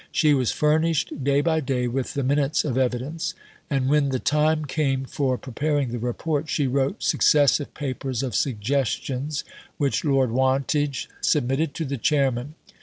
She was furnished day by day with the minutes of evidence; and when the time came for preparing the Report, she wrote successive papers of suggestions, which Lord Wantage submitted to the Chairman.